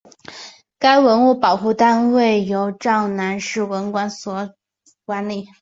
该文物保护单位由洮南市文管所管理。